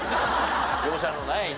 容赦のないね。